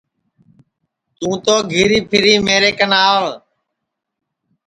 توں تو گھیری پھیر میرے کن آو